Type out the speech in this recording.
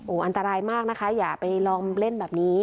อันตรายมากนะคะอย่าไปลองเล่นแบบนี้